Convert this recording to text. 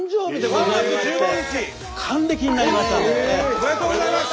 おめでとうございます！